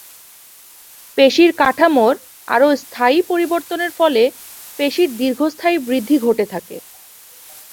পেশীর কাঠামোর আরও স্থায়ী পরিবর্তনের ফলে পেশীর দীর্ঘস্থায়ী বৃদ্ধি ঘটে থাকে।